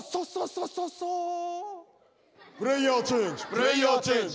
プレイヤーチェンジ。